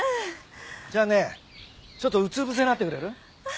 じゃあねちょっとうつぶせになってくれる？